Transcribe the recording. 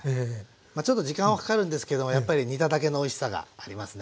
まあちょっと時間はかかるんですけどもやっぱり煮ただけのおいしさがありますね。